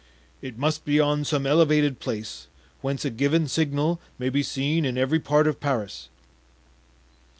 "It must be on some elevated place, whence a given signal may be seen in every part of Paris."